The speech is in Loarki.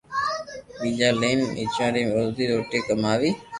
پيئا ليئين ٻچو ري روزو روٽي ڪماوي